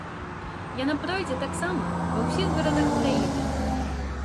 Яна пройдзе таксама ва ўсіх гарадах краіны.